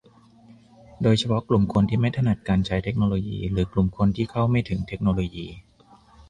โดยเฉพาะกลุ่มคนที่ไม่ถนัดการใช้เทคโนโลยี หรือ กลุ่มคนที่เข้าไม่ถึงเทคโนโลยี